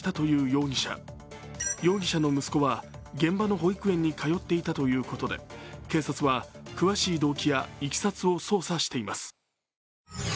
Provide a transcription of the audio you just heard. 容疑者の息子は現場の保育園に通っていたということで警察は、詳しい動機やいきさつを捜査しています。